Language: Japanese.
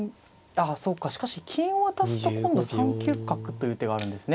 あそうかしかし金を渡すと今度３九角という手があるんですね。